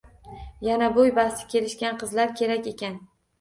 Yana boʻy basti kelishgan qizlar kerak ekan.